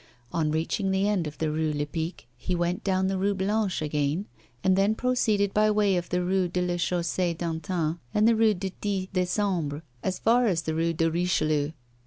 On reaching the end of the Rue Lepic he went down the Rue Blanche again, and then proceeded by way of the Rue de la Chaussée d'Antin and the Rue du Dix Decembre as far as the Rue de Richelieu.